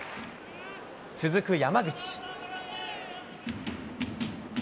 続く山口。